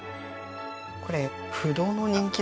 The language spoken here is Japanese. これ不動の人気です。